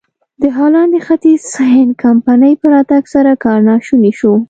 د هالنډ د ختیځ هند کمپنۍ په راتګ سره کار ناشونی شو.